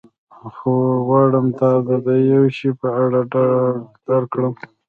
خو غواړم تا ته د یو شي په اړه ډاډ درکړم.